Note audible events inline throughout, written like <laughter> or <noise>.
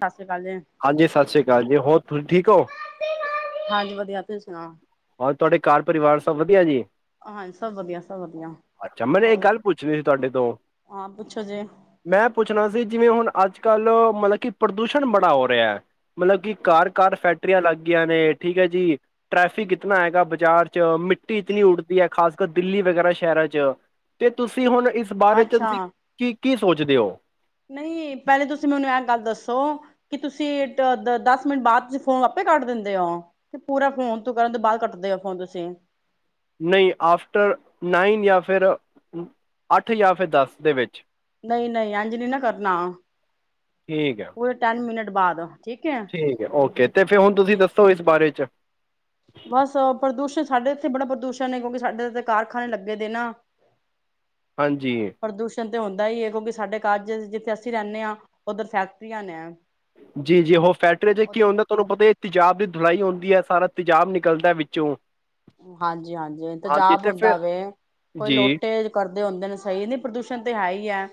ਸਤਿ ਸ੍ਰੀ ਅਕਾਲ ਜੀ ਹਾਂਜੀ ਸਤਿ ਸ੍ਰੀ ਅਕਾਲ ਜੀ ਹੋਰ ਤੁਸੀਂ ਠੀਕ ਹੋ? ਤੁਸੀ ਸੁਣਾ। ਹੋਰ ਤੁਹਾਡੇ ਘਰ ਪਰਿਵਾਰ ਸਭ ਵਧੀਆ ਜੀ। ਹਾਂਜੀ ਸਭ ਵਧੀਆ। ਸਭ ਵਧੀਆ ਅੱਛਾ ਮੈਨ ਇੱਕ ਹੋਰ ਗੱਲ ਪੁੱਛਣੀ ਸੀ ਤੁਹਾਡੇ ਤੋਂ ਹਾਂ ਪੁੱਛੋ ਜੇ ਮੈਂ ਪੁੱਛਣਾ ਸੀ ਜਿਵੇਂ ਹੁਣ ਅੱਜ ਕੱਲ ਮਤਲਬ ਕਿ ਪ੍ਰਦੂਸ਼ਣ ਬੜਾ ਹੋ ਰਿਹਾ ਮਤਲਬ ਕਿ ਕਾਰ ਕਾਰ ਫੈਕਟਰੀਆਂ ਲੱਗ ਗਈਆਂ ਨੇ ਠੀਕ ਹੈ ਜੀ ਟ੍ਰੈਫਿਕ ਇਤਨਾ ਹੈਗਾ ਬਾਜ਼ਾਰ ਚ ਮਿੱਟੀ ਇਤਨੀ ਉੱਡਦੀ ਹੈ ਖਾਸ ਕਰ ਦਿੱਲੀ ਵਗੈਰਾ ਸ਼ਹਿਰਾਂ ਚ ਤੇ ਤੁਸੀਂ ਹੁਣ ਇਸ ਬਾਰੇ ਚ ਅੱਛਾ ਅਸੀਂ ਕੀ ਕੀ ਸੋਚਦੇ ਹੋ ਨਹੀਂ ਪਹਿਲੇ ਤੁਸੀਂ ਮੈਨੂੰ ਇਹ ਗੱਲ ਦੱਸੋ ਕਿ ਤੁਸੀਂ ਦਸ ਮਿੰਟ ਬਾਅਦ ਤੁਂ ਫ਼ੋਨ ਆਪੇ ਕੱਟ ਦਿੰਦੇ ਹੋ ਤੇ ਪੂਰਾ ਫੋਨ ਤ ਕਰਨ ਤੋਂ ਬਾਅਦ ਕੱਟਦੇ ਹੋ ਫ਼ੋਨ ਤੁਸੀਂ ਨਹੀਂ ਆਫਟਰ ਨਾਈਨ ਜਾਂ ਫਿਰ ਅੱਠ ਜਾਂ ਫਿਰ ਦਸ ਦੇ ਵਿੱਚ। ਨਹੀਂ ਨਹੀਂ ਅੰਜਲੀ ਨਾ ਕਰਨਾ ਠੀਕ ਹੈ ਪੂਰੇ ਟੈਨ ਮਿੰਟ। ਕਰਵਾ ਦੋ। ਠੀਕ ਹੈ ਓਕੇ ਤੇ ਫੇਿਰ ਹੁਣ ਤੁਸੀਂ ਦੱਸੋ ਇਸ ਬਾਰੇ ਚ ਬਸ ਪ੍ਰਦੂਸ਼ਣ ਸਾਡੇ ਇੱਥੇ ਬੜਾ ਪ੍ਰਦੂਸ਼ਣ ਹੈ ਕਿਉਂਕਿ ਸਾਡੇ ਇਥੇ ਕਾਰਖਾਨੇ ਲੱਗੇ ਦੇ ਨਾ। ਹਾਂਜੀ। ਪ੍ਰਦੂਸ਼ਣ ਤੇ ਹੁੰਦਾ ਹੀ ਹੈ ਕਿਉਂਕਿ ਸਾਡੇ ਕੱਜ ਜਿੱਥੇ ਅਸੀਂ ਰਹਿੰਦੇ ਹਾਂ ਉੱਧਰ ਫੈਕਟਰੀਆਂ ਨੇ ਜੀ ਜੀ ਉਹ ਫੈਕਟਰੀ ਜੇ ਕੀ ਉਧਰ ਹੁੰਦਾ ਤੁਹਾਨੂੰ ਹਾਂ ਪਤਾ ਤਜਾਬ ਦੀ ਦੁਲਾਈ ਆਉਂਦੀ ਹੈ। ਸਾਰਾ ਤਜਾਬ ਨਿਕਲਦਾ ਵਿੱਚੋਂ ਹਾਂਜੀ ਹਾਂਜੀ ਹਾਂਜੀ ਇੰਤਜ਼ਾਬ ਤੇ ਫਿਰ ਹੁੰਦਾ ਵੇ ਕੋਈ ਜੀ, ਲੋਟੇ ਕਰ ਹੁੰਦੇ ਨੇ ਸਹੀ ਨਹੀਂ ਪ੍ਰਦੂਸ਼ਣ ਤੇ ਹੈ ਹੀ ਹੈ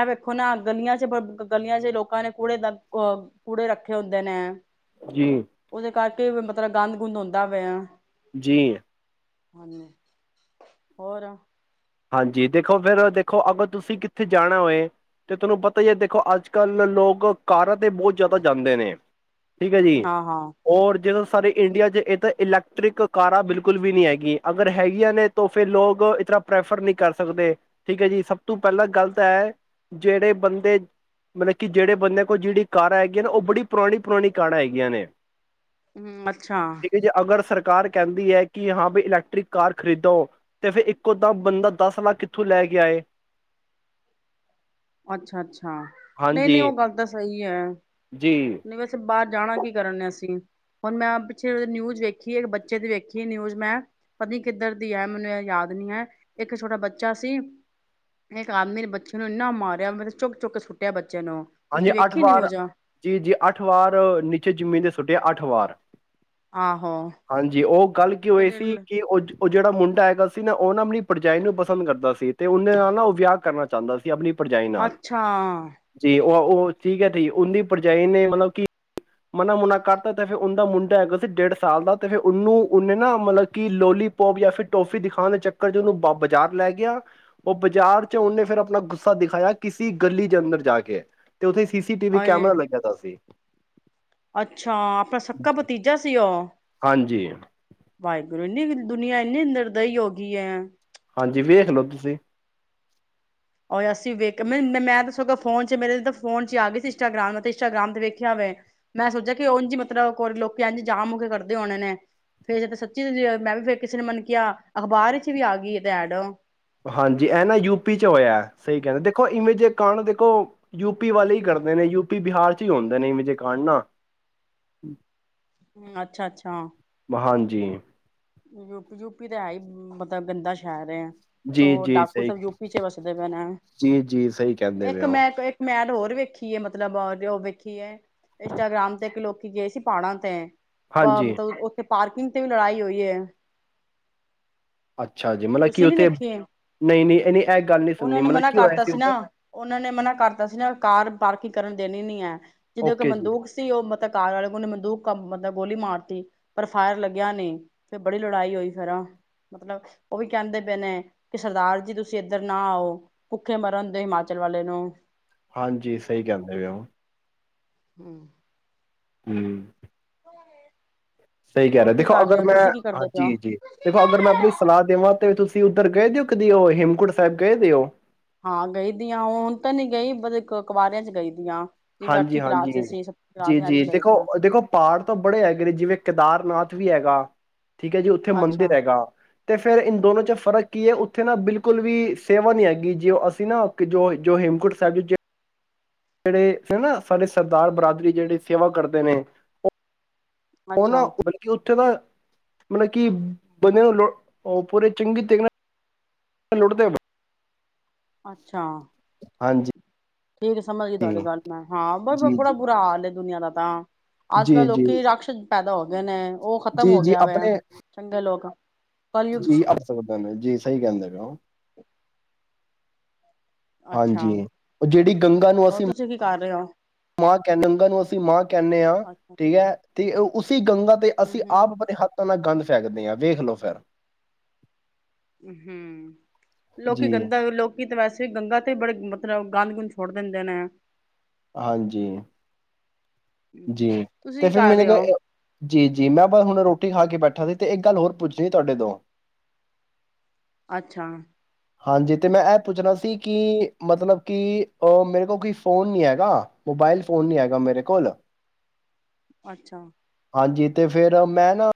ਇਹ ਵੇਖੋ ਨਾ ਗਲੀਆਂ ਚ ਗਲੀਆਂ ਚ ਲੋਕਾਂ ਨੇ ਕੂੜੇ ਦਾ ਅਹ ਕੂੜੇ ਰੱਖੇ ਹੁੰਦੇ ਨੇ ਜੀ। ਉਹਦੇ ਕਰਕੇ ਮਤਲਬ ਗੰਦ ਗੁੰਦ ਹੁੰਦਾ ਵਇ ਆ। ਜੀ। ਹਾਂਜੀ ਹੋਰ ਹਾਂਜੀ ਦੇਖੋ ਫਿਰ ਦੇਖੋ ਅਗਰ ਤੁਸੀਂ ਕਿੱਥੇ ਜਾਣਾ ਹੋਏ ਤੇ ਤੁਹਾਨੂੰ ਪਤਾ ਹੀ ਹੈ ਦੇਖੋ ਅੱਜ ਕੱਲ੍ਹ ਲੋਕ ਕਾਰਨ ਤੇ ਬਹੁਤ ਜ਼ਿਆਦਾ ਜਾਂਦੇ ਨੇ ਠੀਕ ਹੈ ਜੀ ਹਾਂ ਹਾਂ ਔਰ ਜਿਦੋਂ ਸਾਰੇ ਇੰਡੀਆ ਚ ਇਹ ਤਾਂ ਇਲੈਕਟ੍ਰਿਕ ਕਾਰਾਂ ਬਿਲਕੁਲ ਵੀ ਨਹੀਂ ਹੈਗੀਆਂ ਅਗਰ ਹੈਗੀਆਂ ਨੇ ਤਾਂ ਫੇਰ ਲੋਕ ਇਸ ਤਰ੍ਹਾਂ ਪ੍ਰੈਫਰ ਨਹੀਂ ਕਰ ਸਕਦੇ ਠੀਕ ਹੈ ਜੀ ਸਭ ਤੋਂ ਪਹਿਲਾਂ ਗੱਲ ਤਾਂ ਹੈ ਜਿਹੜੇ ਬੰਦੇ ਮਤਲਬ ਕਿ ਜਿਹੜੇ ਬੰਦਿਆਂ ਕੋਲ ਜਿਹੜੀ ਕਾਰਾਂ ਹੈਗੀਆਂ ਨੇ ਉਹ ਬੜੀ ਪੁਰਾਣੀ ਪੁਰਾਣੀ ਕਾਰਾਂ ਹੈਗੀਆਂ ਨੇ ਹਮ ਅੱਛਾ। ਕਾਰ ਕਹਿੰਦੀ ਹੈ ਕਿ ਹਾਂ ਬ ਇਲੈਕਟ੍ਰਿਕ ਕਾਰ ਖਰੀਦੋ ਤੇ ਫਿਰ ਇੱਕ ਤਾਂ ਬੰਦਾ ਦਸ ਲੱਖ ਕਿੱਥੋਂ ਲੈ ਕੇ ਆਏ। ਅੱਛਾ ਅੱਛਾ ਨਹੀਂ ਹਾਂਜੀ ਨਹੀਂ ਉਹ ਗੱਲ ਤਾਂ ਸਹੀ। ਜਾਂ। ਜੀ। ਬਾਹਰ ਜਾਣਾ ਕੀ ਕਰਨ ਅਸੀਂ ਹੁਣ ਮੈਂ ਪਿੱਛੇ ਨਿਊਜ਼ ਵੇਖੀ ਇੱਕ ਬੱਚੇ ਦੀ ਵੇਖੀ ਨਿਊਜ ਮੈਂ ਪਤਨੀ ਕਿੱਧਰ ਦੀ ਹੈ ਮੈਨੂੰ ਇਹ ਯਾਦ ਨ ਹੈ ਇੱਕ ਛੋਟਾ ਬੱਚਾ ਸੀ ਇੱਕ ਆਦਮੀ ਬੱਚੇ ਨੂੰ ਇੰਨਾ ਮਾਰਿਆ ਮ ਚੁੱਕ ਚੁੱਕ ਸੁੱਟਿਆ ਬੱਚਾ ਹਾਂਜੀ ਅੱਠ ਵਾਰ ਜੀ ਜੀ ਅੱਠ ਵਾਰ ਨੀਚੇ ਜ਼ਮੀਨ ਦੇ ਸੁਛੁਟਡਿਆ ਅੱਠਵਾਰ ਆਹੋ ਹਾਂਜੀ ਉਹ ਗੱਲ ਕੀ ਹੋਈ ਕਹਿੰਦੇ ਸੀ ਕਿ ਉਹ ਉਹ ਜਿਹੜਾ ਮੁੰਡਾ ਹੈਗਾ ਸੀ ਨਾ ਉਹ ਨਾ ਆਪਣੀ ਪੜਜਾਈ ਨੂੰ ਪਸੰਦ ਕਰਦਾ ਸੀ ਤੇ ਉਹੇ ਨਾਲ ਨਾ ਉਹ ਵਿਆਹ ਕਰਨਾ ਚਾਹੁੰਦਾ ਸੀ ਆਪਣੀ ਭਰਜਾਈ ਨਾਲ। ਅੱਛਾ। ਜੀ ਉਹ ਠੀਕ ਹੈ ਠੀਕ ਉਹਦੀ ਭਰਜਾਈ ਨੇ ਮਤਲਬ ਕਿ ਮਨਾ ਮੁਨਾ ਕਰਤਾ ਤੇ ਫਰ ਉਹਦਾ ਮੁੰਡਾ ਹੈਗਾ ਸੀ ਡੇਢ ਸਾਲ ਦਾ ਤੇ ਫੇਰ ਉਹਨੂੰ ਉਹਨੇ ਨਾ ਮਤਲਬ ਕਿ ਲੋਲੀਪੋਪ ਜਾਂ ਫਿਰ ਟੋਫੀ ਦਿਖਾਉਣ ਦੇ ਚੱਕਰ ਚ ਉਹਨੂੰ ਬਾਜ਼ਾਰ ਲੈ ਗਿਆ ਉਹ ਬਾਜ਼ਾਰ ਚ ਉਹਨੇ ਫੇਰ ਆਪਣਾ ਗੁੱਸਾ ਦਿਖਾਇਆ ਕਿਸੇ ਗਲੀ ਦੇ ਅੰਦਰ ਜਾ ਕੇ ਕੇ ਤੇ ਉੱਥੇ ਸੀ ਸੀ ਟੀ ਵੀ ਆਏ ਕੈਮਰਾ ਲੱਗਿਆ ਦਾ ਸੀ। ਅੱਛਾ ਆਪਣਾ ਸੱਕਾ ਭਤੀਜਾ ਸੀ ਉਹ ਹਾਂਜੀ। ਅਗਰੋਂ ਇੰਨੀ ਦੁਨੀਆਂ ਇੰਨੀ ਅੰਦਰਦ ਹੀ ਹੋ ਗਈ ਹੈ। ਹਾਂਜੀ ਵੇਖ ਲਓ ਤੁਸੀਂ ਓ ਅਸੀਂ ਵਖ ਮੈਂ ਤਾਂ ਸ ਫੋਨ ਮੇਰੇ ਫੋਨ ਚ ਆ ਗਈ ਸੀ ਇੰਸਟਾਗ੍ਰਾਮ ਇੰਸਟਾਗ੍ਰਾਮ ਤੇ ਵੇਖਿਆ ਮੈਂ ਸੋਚਿਆ ਮਤਲਬ ਲੋਕ ਜਾਮ ਹੋਕੇ ਕਰਦੇ ਹੋਣੇ ਨੇ ਫੇਰ ਜ ਸੱਚੀ ਮੈਂ ਵੀ ਫ ਕਿਸੇ ਨੇ ਮੰਨ ਕਿਹਾ ਅਖਬਾਰ ਵਿਚ ਵੀ ਆ ਗਈ ਐਡ ਹਾਂਜੀ ਇਹ ਨਾ ਯੂਪੀ ਚ ਹੋਇਆ ਸਹੀ ਕਹਿੰਦੇ ਦੇਖੋ ਇਵੇਂ ਜੇਏਕਡ ਦੇਖੋ ਯੂਪੀ ਵਾਲੇ ਹੀ ਕਰਦੇ ਨੇ ਯੂਪੀ ਬਿਹਾਰ ' ਹੀ ਹੁੰਦੇ ਨੇ ਇਵੇਂ ਜੇਕਾਂਡ ਨਾ ਹਮ ਅੱਛਾ ਅੱਛਾ। ਹਾਂਜੀ। ਯੂਪੀ, ਯੂਪੀ ਤਾਂ ਹੈ ਹੀ ਮਤਲਬ ਗੰਦਾ ਸ਼ਹਿਰ ਹੈ। ਜੀ ਚੋ ਜੀ ਡਾਕੂ ਸਹੀ ਸਬ ਯੂਪੀ ਚ ਵਸਦੇ ਪਏਣਾ ਜੀ ਜੀ ਸਹੀ ਕਹਿੰਦੇ ਪਏ ਇੱਕ ਹੋ ਮੈਂ ਇੱਕ ਮੈਂ ਹੋਰ ਵੇਖੀਏ। ਮਤਲਬ ਜੋ ਵੇਖੀਏ ਇੰਸਟਾਗ੍ਰਾਮ ਤੇ ਇੱਕ ਲੋਕੀ ਗਏ ਸੀ ਪਹਾੜਾ ਤੇ। ਤਾਂ ਹਾਂਜੀ ਮਤਲਬ ਉੱਥੇ। ਪਾਰਕਿੰਗ ਤੇ ਵੀ ਲੜਾਈ ਹੋਈ। ਹੈ। ਅੱਛਾ ਜੀ ਮਤਲਬ ਕਿ ਤੁਸੀਂ ਨੀ ਉੱਥੇ ਵੇਖਿਆ। ਨਹੀਂ ਨਹੀਂ ਨਹੀਂ ਇਹ ਗੱਲ ਨਹੀਂ ਸੁਣਨੀ ਉਹਨਾਂ ਨੇ ਮਤਲਬ ਮਨਾ ਕੀ ਹੋਇਆ ਕਰਤਾ ਸੀ ਨਾ ਉੱਧਰ ਉਹਨਾਂ ਨੇ ਮਨਾ ਕਰਤਾ ਸੀ ਨਾ। ਕਾਰ ਪਾਰਕਿੰਗ ਕਰਨ ਦੇਣੀ ਨਹੀਂ ਹੈ। ਜਦੋਂ ਇੱਕ ਓਕੇ ਜੀ ਬੰਦੂਕ ਸੀ ਉਹਲਬ ਕਾਰ ਵਾਲੇ ਨੇ ਬੰਦੂਕ ਮਤਲਬ ਗੋਲੀ ਮਾਰਤੀ ਪਰ ਫਾਇਰ ਲੱਗਿਆ ਨੀ। ਫਿਰ ਬੜੀ ਲੜਾਈ ਹੋਈ ਫਿਰਮਤਲਬ ਉਹ ਵੀ ਕਹਿੰਦੇ ਪਏ ਨੇ ਕਿ ਸਰਦਾਰ ਜੀ ਤੁਸੀਂ ਇੱਧਰ ਨਾ ਆਓ। ਭੁੱਖੇ ਮਰਨ ਦਿਓ ਹਿਮਾਚਲ ਵਾਲੇ ਨੂੰ। ਹਾਂਜੀ। ਸਹੀ ਕਹਿੰਦੇ ਪਏ ਉਹ। ਹੂ ਹੂ। ਸਹੀ ਕਹਿ ਰਿਹਾ ਹੋਰ ਕੀ ਦੇਖੋ ਕਰ ਰਹੇ ਅਗਰ ਹੋ ਮੈਂ ਤੁਸੀਂ ਕੀ ਕਰਦੇ ਪਏ ਹਾਂਜੀ ਹੋ ਜੀ ਦੇਖੋ ਅਗਰ ਮੈਂ ਆਪਣੀ ਸਲਾਹ ਦੇਵਾਂ ਤੇ ਤੁਸੀਂ ਤੁਸੀਂ ਉੱਧਰ ਗਏ ਓ ਕਦੀ ਉਹ ਹੇਮਕੁਟ ਸਾਹਿਬ ਗਏ ਓ ਹਾਂ ਗਈ ਦੀ ਆਂ, ਹੁਣ ਤਾਂ ਨੀ ਗਈ, ਕੁਆਰਿਆਂ ਚ ਗਈ ਦੀ ਆਂ। ਹਾਂਜੀ- ਹਾਂਜੀ, ਜੀ- ਜੀ ਇੰਝ ਗਈ ਦੀਆਂ ਦੇਖੋ-ਦੇਖੋ ਪਹਾੜ ਤੋਂ ਬੜੇ ਹੈਗੇ ਨੇ ਜਿਵੇਂ ਕੇਦਾਰ -ਨਾਥ ਵੀ ਹੈਗਾ। ਠੀਕ ਹੈ ਜੀ ਉੱਥੇ ਮੰਦਿਰ ਅੱਛਾ ਹੈਗਾ। ਤੇ ਫੇਰ ਇਨ ਦੋਨੋ ਚ ਫ਼ਰਕ ਕੀ ਐ? ਉੱਥੇ ਨਾ ਬਿਲਕੁਲ ਵੀ ਸੇਵਾ ਨੀ ਹੈਗੀ, ਜੇ ਅਸੀਂ ਨਾ ਜੋ-ਜੋ, ਹੇਮਕੁੰਟ ਸਾਹਿਬ। ਜਿਹੜੇ ਹਨਾ ਸਾਡੇ ਸਰਦਾਰ ਬਰਾਦਰੀ, ਜਿਹੜੇ ਸੇਵਾ ਕਰਦੇ ਨੇ, ਉਹ ਉਹ ਨਾ ਅੱਛਾ ਪੱਤਾ ਨਹੀਂ ਕੀ ਉੱਥੇ ਤਾਂ ਮਤਲਬ ਕਿ ਬੰਦੇ ਨੂੰ ਪੂਰੇ ਚੰਗੇ ਤਰੀਕੇ ਨਾਲ ਲੁੱਟਦੇ ਹਨ। ਅੱਛਾ! ਹਾਂਜੀ। ਠੀਕ ਹੈ, ਸਮਝ ਗਈ ਤੁਹਾਡੀ ਜੀ ਗੱਲ ਮੈਂ ਹਾਂ ਬਸ ਜੀ ਬੜਾ ਜੀ ਬੁਰਾ ਹਾਲ ਏ ਦੁਨੀਆਂ ਦਾ। ਤਾਂ ਅੱਜ ਕੱਲ੍ਹ ਜੀ ਜੀ ਲੋਕੀ ਰਾਕਸ਼ ਪੈਦਾ ਹੋ ਗਏ ਨੇ ਉਹ ਖ਼ਤਮ ਜੀ ਹੋ ਜੀ ਗਿਆ ਵਾ ਆਪਣੇ ਚੰਗੇ ਲੋਕ ਕਲਯੁਗ ਜੀ ਚ ਆ ਸਕਦੇ ਨੇ, ਜੀ ਸਹੀ ਕਹਿੰਦੇ ਪਏ ਓ। ਅੱਛਾ ਹਾਂਜੀ ਉਹ, ਜਿਹੜੀ ਗੰਗਾ ਨੂੰ ਹੋਰ ਅਸੀਂ ਤੁਸੀਂ ਕੀ ਕਰ ਰਹੇ ਹੋ ਮਾਂ ਕਹਿਨੇ ਆ, ਅੱਛਾ ਠੀਕ ਹੈ ਤੇ ਸੀ ਗੰਗਾ ਤੇ ਹੂੰ ਅਸੀਂ ਆਪ ਹੂੰ ਆਪਣੇ ਹੱਥਾਂ ਨਾਲ ਗੰਦ <inaudible> ਵੇਖ ਲੋ ਫਿਰ ਹਮ ਲੋਕੀ ਜੀ, ਗੰਦਾ ਲੋਕੀ ਕਿ ਵੈਸੇ ਗੰਗਾ ਤੇ ਬੜੇ ਮਤਲਬ ਗੰਦ- ਗੁੰਦ ਛੋੜ ਦਿੰਦੇ ਨੇ। ਹਾਂਜੀ ਜੀ ਤੁਸੀਂ ਤੇ ਕੀ ਫਿਰ ਕਰ ਮੈਨੇ ਰਹੇ ਹੋ ਕਿਹਾ, ਜੀ- ਜੀ ਮੈਂ ਤੁਹਾਨੂੰ ਹੁਣ ਰੋਟੀ ਖਾ ਕੇ ਕੇ ਬੈਠਾ ਸੀ ਤੇ ਇਕ ਗੱਲ ਹੋਰ ਪੁੱਛਣੀ ਤੁਹਾਡੇ ਤੋਂ ਅੱਛਾ ਹਾਂਜੀ ਤੇ ਮੈਂ ਇਹ ਪੁੱਛਣਾ ਸੀ, ਕਿ ਮਤਲਬ ਕਿ ਅ ਮੇਰੇ ਕੋਲ ਕੋਈ ਫੋਨ ਨਹੀਂ ਹੈਗਾ, ਮੋਬਾਇਲ ਫੋਨ ਨਹੀਂ ਹੈਗਾ ਮੇਰੇ ਕੋਲ। ਅੱਛਾ ਹਾਂਜੀ ਤੇ ਫੇਰ ਮੈਂ ਨਾ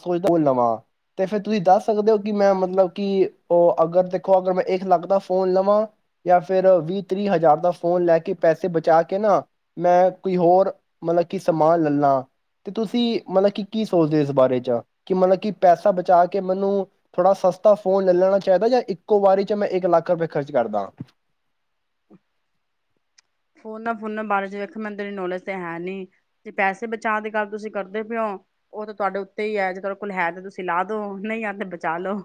ਸੋਚਦਾ ਫੋਨ ਲਵਾਂ, ਤੇ ਫਿਰ ਤੁਸੀਂ ਦੱਸ ਸਕਦੇ ਹੋ? ਕਿ ਮੈਂ ਮਤਲਬ ਕਿ ਉਹ ਅਗਰ ਦੇਖੋ ਅਗਰ ਮੈਂ ਇੱਕ ਲੱਖ ਦਾ ਫੋਨ ਲਵਾਂ, ਜਾਂ ਫਿਰ ਵੀਹ- ਤੀਹ ਹਜ਼ਾਰ ਦਾ ਫੋਨ ਲੈ ਕੇ ਪੈਸੇ ਬਚਾ ਕੇ ਨਾ ਮੈਂ ਕੋਈ ਹੋਰ ਮਤਲਬ ਕਿ ਸਮਾਨ ਲੈ ਲਾਂ ਤੇ ਤੁਸੀਂ ਮਤਲਬ ਕਿ ਕੀ ਸੋਚਦੇ? ਬਾਰੇ ਚ ਕਿ ਮਤਲਬ ਕਿ ਪੈਸਾ ਬਚਾ ਕੇ ਮੈਨੂੰ ਥੋੜ੍ਹਾ ਸਸਤਾ ਫੋਨ ਲੈ ਲੈਣਾ ਚਾਹੀਦਾ ਜਾਂ ਇੱਕੋ ਵਾਰੀ ਚ ਮੈਂ ਇੱਕ ਲੱਖ ਰੁਪਏ ਖਰਚ ਕਰਦਾ ਫੋਨਾਂ -ਫੋਨਾਂ ਬਾਰੇ ਚ ਤਾਂ ਵੇਖੋ ਮੈਂਨੂੰ ਇਨੀਂ ਨੌਲੇਜ ਹੈ ਨੀ ਜੇ ਪੈਸੇ ਬਚਾਅ ਦੀ ਗੱਲ ਤੁਸੀਂ ਕਰਦੇ ਪਏ ਹੋ, ਉਹ ਤਾਂ ਤੁਹਾਡੇ ਉੱਤੇ ਹੀ ਹੈ ਜੇ ਤੁਹਾਡੇ ਕੋਲ ਹੈ ਤਾਂ ਤੁਸੀਂ ਲਾ ਦੋ ਨਹੀਂ ਆ ਤੇ ਬਚਾ ਲੋੋ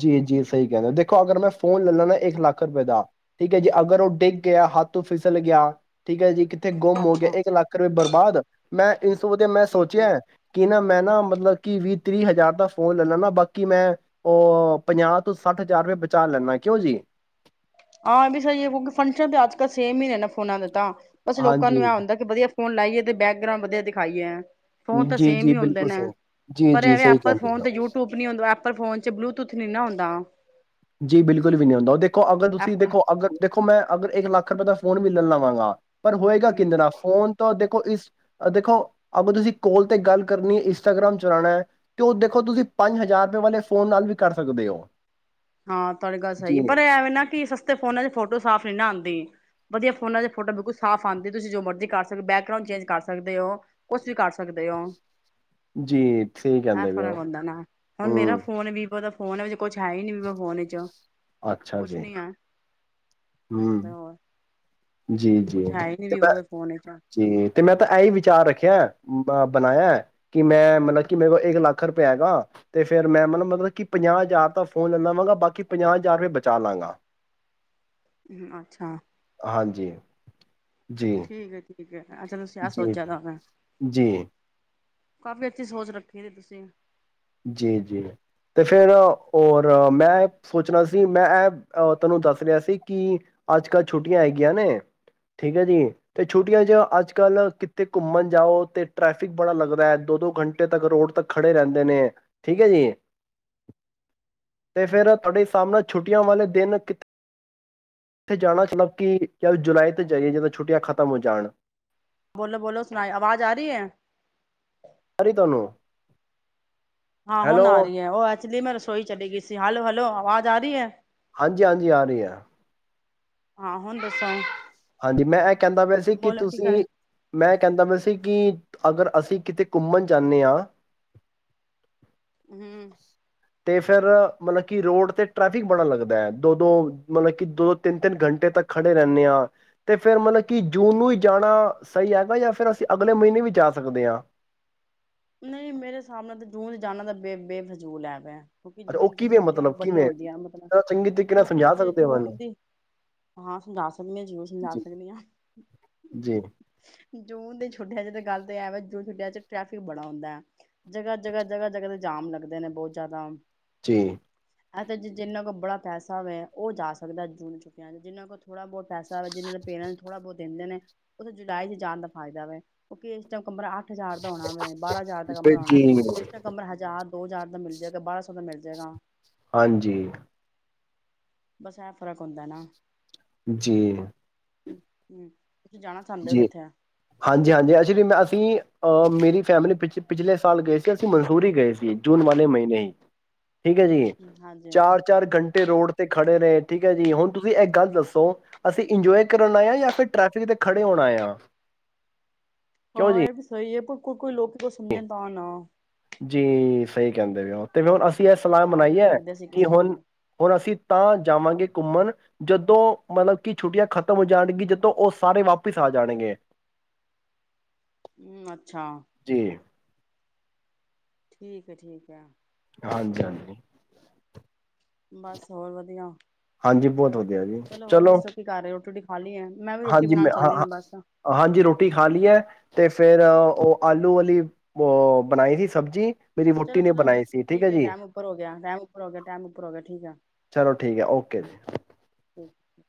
ਜੀ -ਜੀ ਸਹੀ ਕਹਿੰਦੇ, ਦੇਖੋ ਅਗਰ ਮੈਂ ਫੋਨ ਲੈ ਲਾ ਨਾ ਇੱਕ ਲੱਖ ਰੁਪਏ ਦਾ, ਠੀਕ ਹੈ ਜੀ ਅਗਰ ਉਹ ਡਿੱਗ ਗਿਆ ਹੱਥੋੰ ਫਿਸਲ ਗਿਆ ਠੀਕ ਹੈ ਜੀ। ਕਿਥੇ ਗੁੰਮ ਹੋ ਗਿਆ ਅੱਛਾ ਇੱਕ ਲੱਖ ਰੁਪਏ ਬਰਬਾਦ ਮੈਂ ਇਸ ਵਾਸਤੇ ਮੈਂ ਹਮ ਸੋਚਿਆ ਕਿ ਨਾ ਮੈਂ ਮੈਂ ਨਾ ਮਤਲਬ ਕਿ ਵੀਹ-ਤੀਹ ਹਜ਼ਾਰ ਦਾ ਫ਼ੋਨ ਲੈਣਾ ਨਾ ਬਾਕੀ ਮੈਂ ਉਹ ਪੰਜਾਹ ਤੋਂ ਸੱਠ ਹਜ਼ਾਰ ਰੁਪਏ ਬਚਾ ਲੈਂਨਾ, ਕਿਉ ਜੀ? ਹਾਂ ਇਹ ਵੀ ਸਹੀ ਹੈ, ਕਿਉਂਕਿ ਫੰਕਸ਼ਨ ਤਾਂ ਅੱਜ ਕੱਲ੍ਹ ਸੇਮ ਹੀ ਨੇ ਨਾ ਫੋਨਾਂ ਦੇ ਤਾਂ। ਬਸ ਲੋਕਾਂ ਹਾਂਜੀ, ਨੂੰ ਇਹ ਹੁੰਦਾ ਕਿ ਵਧੀਆ ਫੋਨ ਲਾਈਏ ਤੇ ਬੈਕਗਰਾਊਂਡ ਵਧੀਆ ਦਿਖਾਈ ਹੈ ਫੋਨ ਤਾਂ ਜੀ, ਸੇਮ ਜੀ ਹੀ ਹੁੰਦੇ ਬਿਲਕੁਲ ਨੇ ਸਹੀ, ਜੀ, ਪਰ ਜੀ ਐਵੇਂ ਸਹੀ ਐਪਲ ਕਹਿੰਦੇ ਫੋਨ ਹੋ। ਤੇ ਯੂਟਿਊਬ ਨੀ ਹੁੰਦਾ ਐਪਲ ਫੋਨ ਚ ਬਲੂਟੂਥ ਨ ਨਾ ਹੁੰਦਾ ਜੀ ਬਿਲਕੁਲ ਵੀ ਨਹੀਂੀ ਹੁੰਦਾ ਉਹ ਦੇਖ ਦੇਖੋ ਅਗਰ ਤੁਸੀਂ ਐਪਲ ਦੇਖੋ ਅਗਰ ਦੇੋ ਦੇਖੋ ਮੈਂ ਅਗਰ ਇੱਕ ਲੱਖ ਰੁਪਏ ਦਾ ਫੋਨ ਮਿਲਣ ਲਵਾਂਗਾ ਪਰ ਹੋਏਗਾ ਕਿੰ ਹਮ ਨਾਲ ਫੋਨ ਤੋਂ ਦੇ ਇਸ ਦੇਖੋ ਅਗਰ ਤੁਸੀਂ ਕਾਲ ਤੇ ਗੱਲ ਕਰਨੀ ਹੈ ਇੰਸਟਾਗ੍ਰਾਮ ਚਲਾਉਣਾ ਹੈ ਤੇ ਉਹ ਦੇਖੋ ਤੁਸੀਂ ਪੰਜ ਹਜ਼ਾਰ ਰੁਪਏ ਵਾਲੇ ਫੋਨ ਨਾਲ ਵੀ ਕਰ ਸਕਦੇ ਹੋ ਹਾਂ ਤੁਹਾਡੀ ਗੱਲ ਸਹੀ ਜੀ ਹੈ ਪਰ ਐਵੇਂ ਨਾ ਕਿ ਸਸਤੇ ਫੋਨਾਂ ਚ ਫੋਟੋ ਸਾਫ਼ ਨੀ ਨਾ ਆਉਂਦਾ ਵਧੀਆ ਫੋਨਾ ਦੇ ਫੋਟੋ ਬਿਲਕੁਲ ਸਾਫ਼ ਆਉਂਦੀ ਤੁਸੀਂ ਜੋ ਮਰਜੀ ਕਰ ਸਕਦੇ ਹੋ ਬੈਕਗਂਡ ਚੇਂਜ ਕਰ ਸਕਦੇ ਹੋ ਕੁਛ ਵੀ ਕਰ ਸਕਦੇ ਹੋ ਜੀ ਸਹੀ ਆ ਕਹਿੰਦੇ ਪਏ ਹੋ ਫ਼ਰਕ ਹੁੰਦਾ ਨਾ ਹੁਣ ਮੇਰਾ ਹਮ ਫੋਨ ਵੀਵੋ ਦਾ ਫੋਨ ਵ ਵਿੱਚ ਕੁਛਏ ਨੀ ਹੋੋਨ ਜੋ ਅੱਛਾ ਜੀ ਹਮ ਹੋਰ ਜੀ ਜੀ ਕੁਛ ਹੈ ਹੀ ਨੀ ਤੇ ਮੈਂ ਵੀਵੋ ਦੇ ਫੋਨ ਵਿੱਚ ਜੀ ਤੇ ਮੈਂ ਤਾਂ ਇਹੀ ਵਿਚਾਰ ਰੱਖਿਆ ਅ ਬਣਾਇਆ ਕਿ ਮੈਂ ਮਤਲਬ ਕਿ ਮੇਰੇ ਕੋਲ ਇੱਕ ਲੱਖ ਰੁਪਇਆ ਹੈਗਾ ਤੇ ਫੇਿਰ ਮੈਂ ਮਤਲ ਮਤਲਬ ਕਿ ਪੰਜਾਹ ਹਜ਼ਾਰ ਦਾ ਫੋਨ ਲੈ ਲਵਾਂਗਾ ਬਾਕੀ ਪੰਜਾਹ ਹਜ਼ਾਰ ਰੁਪ ਬਚਾ ਲਵਗਾ ਹਮ ਅੱਛਾ ਹਾਂਜੀ ਜੀ ਅਹ ਚਲਹ ਜੀ ਸੋਚਿਆ ਤਾਂ ਮੈਂ ਜੀ ਕਾਫੀ ਅੱਛੀ ਸੋਚ ਰੱਖੀ ਦੀ ਤੁਸੀਂ ਜੀ ਜੀ ਤੇ ਫੇਿਰ ਔਰ ਮੈਂ ਸੋਚਣਾ ਸੀ ਮੈਂ ਇਹਹ ਤੁਹਾਨੂੰ ਦੱਸ ਰਿਹਾ ਸੀ ਕਿ ਅੱਜ ਕੱਲ੍ਹ ਛੁੱਟੀਆਂ ਹੈਗੀਆਂ ਨੇ ਠੀਕ ਹੈ ਜੀ ਤੇ ਛੁੱਟੀਆਂ ਚ ਅੱਜ ਕੱਲ੍ਹ ਕਿੱਥੇ ਘੁੰਮਣ ਜਾਓ ਤੇ ਟ੍ਰੈਫਿਕ ਬੜਾ ਲੱਗਦਾ ਦੋ ਦੋ ਘੰਟੇ ਤੱਕ ਰੋਡ ਤੱਕ ਖੜੇ ਰਹਿੰਦੇ ਨੇ ਠੀਕ ਹੈ ਜੀ ਤੇ ਫੇਿਰ ਤੁਹਾਡੇ ਸਾਹਮ ਨਾਲ ਛੁੱਟੀਆਂ ਵਾਲੇ ਦਿਨ ਕਿ ਇੱਥੇ ਜਾਣਾ ਚਲਬ ਕਿ ਚਾਹ ਜੁਲਾਈ ਜਾਈ ਜਦੋਂ ਛੁੱਟ ਖਤਮ ਹੋ ਜਾਣ ਬੋਲੋ ਬੋਲੋ ਸੁਣਾਏ ਆਵਾਜ਼ ਆ ਰਹੀ ਹੈ ਸ ਤਨੂੰ ਹਾਂ ਹੁਣ ਆ ਰਹੀ ਹੈ ਉਹ ਐਕਚੁਲੀ ਮੈਂ ਰਸੋਈ ਚਲੀ ਗਈ ਸੀ ਹਲ ਹੱਲ ਹੈਲੋ ਆਵਾਜ਼ ਆ ਰਹੀ ਹੈ ਹਾਂਜੀ ਹਾਂਜੀ ਆ ਰਹੀ ਹ ਆਹ ਹੁਣ ਦੱਸਾਂ ਹਾਂਜੀ ਮੈਂ ਇਹ ਕਹਿੰਦਾ ਪਿਆ ਸੀ ਕਿ ਤੁਸੀਂ ਕਰ ਮੈਂ ਕਹਿੰਦਾ ਪਿਆ ਸੀ ਕਿ ਅਗਰ ਅਸੀਂ ਕਿਤੇ ਘੁੰਮਣ ਜਾਂਦੇ ਹਾਂ ਹਮ ਅਤੇ ਫਿਰ ਮਤਲਬ ਕਿ ਰੋਡ 'ਤੇ ਟਰੈਫਿਕ ਬੜਾ ਲੱਗਦਾ ਹੈ ਦੋ ਦੋ ਮਤਲਬ ਕਿ ਦੋ ਦੋ ਤਿੰਨ ਤਿੰਨ ਘੰਟੇ ਤੱਕ ਖੜ੍ਹੇ ਰਹਿੰਦੇ ਹਾਂ ਤੇ ਫਿਰ ਮਤਲਬ ਕਿ ਜੂਨ ਨੂੰ ਹੀ ਜਾਣਾ ਸਹੀ ਹੈਗਾ ਜਾਂ ਫਿਰ ਅਸੀਂ ਅਗਲੇ ਮਹੀਨੇ ਵੀ ਜਾ ਸਕਦੇ ਹਾਂ ਨਹੀਂ ਮੇਰੇ ਹਿਸਾਬ ਨਾਲ ਤਾਂ ਜੂੰ ਜਾਣਾ ਤਾਂ ਬੇ ਬੇਫਜ਼ੂਲ ਹੈ ਪੈ ਕਿਉਂਕਿ ਅੱਛਾ ਉਹ ਜੂਨ ਜ ਤਾਂ ਕਿਵੇਂ ਛੁੱਟੀਆਂ ਮਤਲਬ ਬੜੀਆਂ ਕਿਵੇਂ ਹੁੰਦੀਆਂ ਮਤਲਬ ਜਰਾ ਚੰਗੀ ਤਰੀਕੇ ਨਾਲ ਕਿਉਂਕਿ ਸਮਝਾ ਜੇ ਸਕਦੇ ਹੋ ਜੂਨ ਮੈਨੂੰ ਦੀ ਹਾਂ ਸਮਝਾ ਸਕਦੇ ਹਾਂ ਜ਼ਰੂਰ ਸਮਝਾ ਜੀ ਸਕਦੇ ਹਾਂ ਜੀ ਜੂਨ ਦੀ ਛੁੱਟੀਆਂ ਜੇ ਤਾਂ ਗੱਲ <unintelligible> ਬੜਾ ਹੁੰਦਾ ਹੈ ਜਗ੍ਹਾ-ਜਗ੍ਹਾ, ਜਗ੍ਹਾ-ਜਗ੍ਹਾ ਦੇ ਜਾਮ ਲੱਗਦੇ ਨੇ ਬਹੁਤ ਜ਼ਿਆਦਾ। ਜੀ। ਇਹ ਤੇ ਜਿੰਨਾਂ ਕੋਲ ਬੜਾ ਪੈਸਾ ਵੇ ਉਹ ਜਾ ਸਕਦਾ ਜੂਨ ਛੁੱਟੀਆਂ ਚ ਜਿੰਨਾਂ ਕੋਲ ਥੋੜਾ ਬਹੁਤ ਪੈਸਾ ਵੇ ਜਿਨ੍ਹਾਂ ਦੇ ਪੇਰੈਂਸ ਥੋੜ੍ਹਾ ਬਹੁਤ ਦੇਂਦੇ ਨੇ ਉਥੇ ਜੁਲਾਈ ਜਾਣ ਦਾ ਫਾਇਦਾ ਵੇ ਕਿਉਂਕ ਇਸ ਟਾਈਮ ਕਮਰਾ ਹਜਾਰ ਦਾ ਹੋਣਾ ਬਾਰਾਂ ਹਜ਼ਾਰ ਦਾ ਕਮਰਾ ਹੋਣਾ ਜੀ ਉਸ ਟਾਈਮ ਕਮਰਾ ਹਜ਼ਾਰ ਦੋ ਹਜ਼ਾਰ ਦਾ ਮਿਲ ਜਾਏਗਾ ਬਾਰਾਂ ਸੌ ਦਾ ਮਿਲ ਜਾਏਗਾ। ਹਾਂਜੀ ਬਸ ਇਹ ਫ਼ਰਕ ਹੁੰਦਾ ਨਾ। ਜੀ ਹਮ-ਹਮ ਜੀ ਹਾਂਜੀ-ਹਾਂਜੀ ਐਕਚੁਲੀ ਮੈਂ ਅਸੀਂ ਅਹ ਮੇਰੀ ਫੈਮਿਲੀ ਪਿਛ ਪਿਛਲੇ ਸਾਲ ਗਏ ਸੀ ਅਸੀਂ ਮਨਸੂਰੀ ਗਏ ਸੀ ਜੂਨ ਵਾਲੇ ਮਹੀਨੇ ਹੀ। ਠੀਕ ਹੈ ਜੀ ਹਾਂਜੀ ਚਾਰ-ਚਾਰ ਘੰਟੇ ਰੋਡ ਖੜੇ ਰਹੇ ਠੀਕ ਹੈ ਜੀ ਹੁਣ ਤੁਸੀਂ ਇਹ ਗੱਲ ਦੱਸੋ ਅਸੀਂ ਇੰਜੋਏ ਕਰਨ ਆਏ ਹਾਂ ਜਾਂ ਫਿਰ ਟ੍ਰੈਫਿਕ ਦੇ ਖੜੇ ਹੋਣਾ ਆਏ ਆ। ਹਾਂ ਇਹ ਵੀ ਸਹੀ ਹੈ ਭੁ ਕੋਈ-ਕੋਈ ਲੋਕੀ ਕੋ ਸਮਝਣ ਤਾਂ ਨਾ। ਜੀ ਸਹੀ ਕਹਿੰਦੇ ਪਏ ਹੋ। ਤੇ ਹੁਣ ਅਸੀਂ ਇਹ ਸਲਾਹ ਸਮਝਾ ਬਣਾਈ ਨਾ ਹੈ ਸਕਦੇ ਸੀ ਕਿ ਕਿਸੇ ਨੂੰ ਹੁਣ, ਵੀ ਹੁਣ ਅਸੀਂ ਤਾਂ ਜਾਵਾਂਗੇ ਘੁੰਮਣ ਜਦੋਂ ਮਤਲਬ ਕਿ ਛੁੱਟੀਆਂ ਖਤਮ ਹੋ ਜਾਣਗੀ ਜਦੋ ਉਹ ਸਾਰੇ ਵਾਪਿਸ ਆ ਜਾਣਗੇ। ਹਮ ਅੱਛਾ। ਜੀ ਠੀਕ ਆ-ਠੀਕ ਆ। ਹਾਂਜੀ-ਹਾਂਜੀ ਬਸ ਹੋਰ ਵਧੀਆ। ਹਾਂਜੀ ਬਹੁਤ ਵਧੀਆ ਜੀ ਹੋਰ ਚਲੋ ਦੱਸੋ ਕੀ ਕਰ ਰਹੇ ਹੋ ਰੋਟੀ ਖਾ ਲਈ ਹੈ ਮੈਂ ਵੀ ਰੋਟੀ ਹਾਂਜੀ ਬਣਾਉਣ ਮੈਂ ਚੱਲੀ ਹ-ਹ ਹਾਂ ਬਸ ਹਾਂਜੀ ਰੋਟੀ ਖਾ ਲੀ ਹੈ। ਤੇ ਫੇਰ ਉਹ ਆਲੂ ਵਾਲੀ ਅ ਬਣਾਈ ਸੀ ਸਬਜ਼ੀ ਮੇਰੀ ਵੋਟੀ ਨੇ ਚਲੋ-ਚਲੋ ਬਣਾਈ ਸੀ ਠੀਕ ਹੈ ਜੀ ਟੈਮ ਉਪਰ ਹੋ ਗਿਆ, ਟੈਮ ਉਪਰ ਹੋ ਗਿਆ, ਟੈਮ ਉਪਰ ਹੋ ਗਿਆ ਠੀਕ ਆ। ਚਲੋ ਠੀਕ ਹੈ ਓਕੇ ਜੀ ਠੀਕ